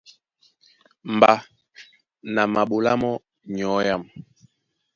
Mbá na maɓolá mɔ́ nyɔ̌ âm.